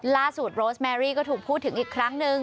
โรสแมรี่ก็ถูกพูดถึงอีกครั้งหนึ่ง